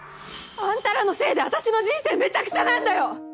あんたらのせいで私の人生めちゃくちゃなんだよ！